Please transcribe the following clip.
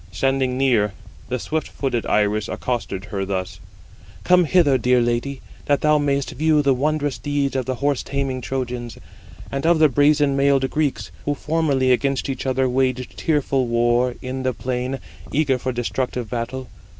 Standing near, the swift footed Iris accosted her thus: "Come hither, dear lady, 151 that thou mayest view the wondrous deeds of the horse taming Trojans, and of the brazen mailed Greeks, who formerly against each other waged tearful war in the plain, eager for destructive battle.